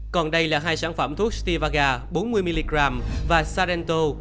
còn đây là hai sản phẩm thuốc stivaga bốn mươi mg và sarento